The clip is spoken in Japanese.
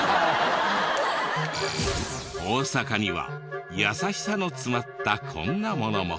大阪には優しさの詰まったこんなものも。